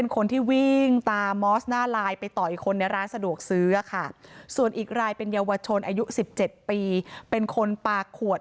กลุ่มนักศึกษาค่ะ